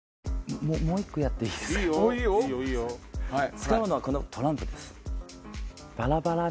使うのはこのトランプです。